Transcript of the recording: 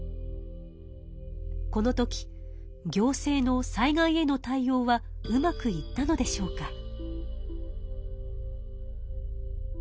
この時行政の災害への対応はうまくいったのでしょうか？